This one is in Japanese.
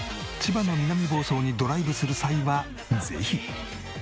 千葉の南房総にドライブする際はぜひ！